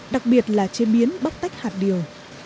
đặc biệt là chế biến bóc tách hạt điều